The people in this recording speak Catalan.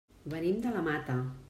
Venim de la Mata.